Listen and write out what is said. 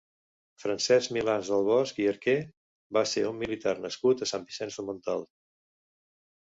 Francesc Milans del Bosch i Arquer va ser un militar nascut a Sant Vicenç de Montalt.